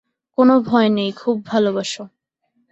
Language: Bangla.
কোনো ভয় নেই, খুব ভালোবাসো।